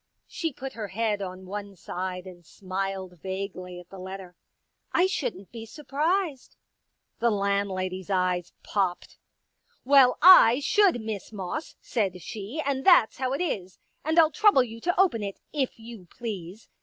She put her head on one side and smiled vaguely at the letter. " I shouldn't be sur prised." The landlady's eyes popped. " Well, I should, Miss Moss," said she, '* and that's how it is. And I'll trouble you to open it, if you please.